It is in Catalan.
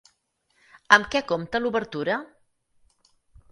Amb què compta l'obertura?